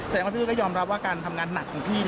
ว่าพี่ก็ยอมรับว่าการทำงานหนักของพี่